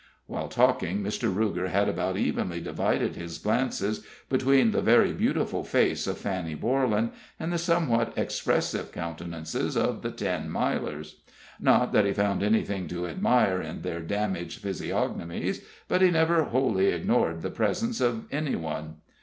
While talking, Mr. Ruger had about evenly divided his glances between the very beautiful face of Fanny Borlan and the somewhat expressive countenances of the Ten Milers. Not that he found anything to admire in their damaged physiognomies, but he never wholly ignored the presence of any one.